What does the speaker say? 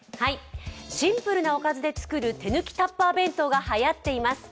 シンプルな、おかずで作る手抜きタッパー弁当がはやっています。